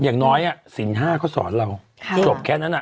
อย่างน้อยสิ่งห้าเขาสอนเราส่วนแค่นั้น